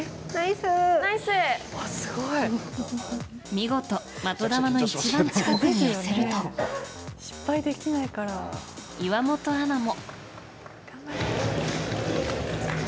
見事、的球の一番近くに寄せると岩本アナも。